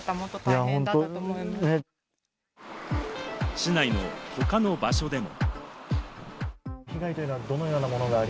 市内の他の場所でも。